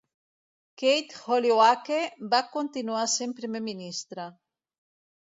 Keith Holyoake va continuar sent primer ministre.